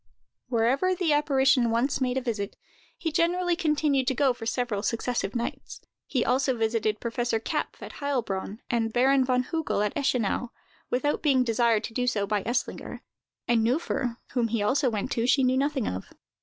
Wherever the apparition once made a visit, he generally continued to go for several successive nights. He also visited Professor Kapff at Heilbronn, and Baron von Hugel at Eschenau, without being desired to do so by Eslinger; and Neuffer, whom he also went to, she knew nothing of.